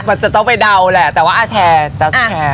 มันจะต้องไปเดาแหละแต่ว่าอาแชร์จะแชร์